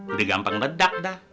udah gampang ledak dah